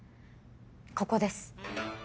ここです。